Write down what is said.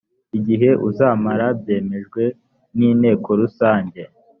igihe uzamara byemejwe n inteko rusange